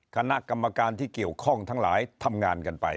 คณะกรรมการที่เกี่ยวข้องทั้งหลายทำงานกันไป